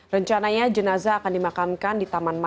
rencananya jenazah akan dimakamkan di taman makam